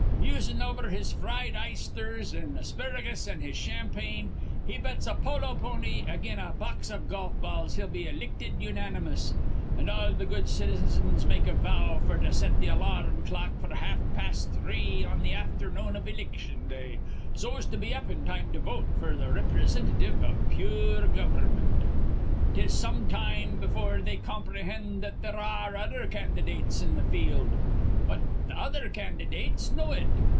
Musin' over his fried eyesthers an' asparagus an' his champagne, he bets a polo pony again a box of golf balls he'll be ilicted unanimous; an' all th' good citizens make a vow f'r to set th' alar rm clock f'r half past three on th' afthernoon iv iliction day, so's to be up in time to vote f'r th' riprisintitive iv pure gover'mint. "'Tis some time befure they comprehind that there ar re other candydates in th' field. But th' other candydates know it.